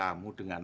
umur rumor bohong